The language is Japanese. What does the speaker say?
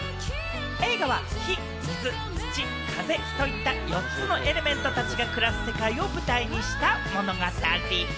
映画は火・水・土・風といった４つのエレメントたちが暮らす世界を舞台にした物語。